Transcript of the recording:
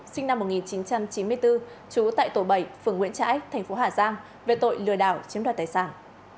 sinh năm một nghìn chín trăm chín mươi bốn trú tại tổ bảy phường nguyễn trãi tp hà giang về tội lừa đảo chiếm đoàn tài sản